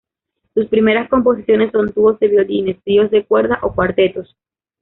Sus primeras composiciones son dúos de violines, tríos de cuerdas o cuartetos.